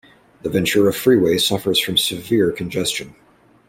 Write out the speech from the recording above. The Ventura Freeway suffers from severe congestion.